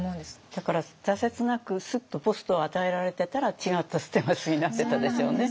だから挫折なくスッとポストを与えられてたら違った捨松になってたでしょうね。